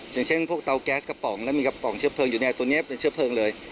อย่างเช่นพวกเตาแก๊สกระป๋องแล้วมีกระป๋องเชื้อเพลิงอยู่เนี่ยตัวนี้เป็นเชื้อเพลิงเลย